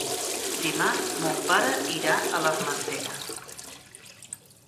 Dimarts mon pare irà a l'Armentera.